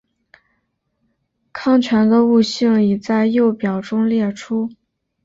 糠醛的物性已在右表中列出。